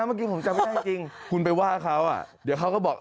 เมื่อกี้ผมจำไม่ได้จริงคุณไปว่าเขาอ่ะเดี๋ยวเขาก็บอก